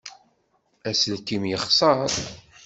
Aselkim yexseṛ.